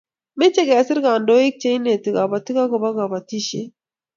Mache kesir kandoik che ineti kabatik akobo kabatishet